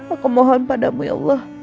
aku mohon padamu ya allah